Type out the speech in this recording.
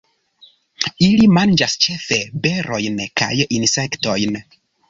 Ili manĝas ĉefe berojn kaj insektojn.